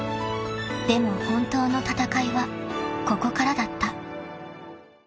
［でも本当の戦いはここからだった］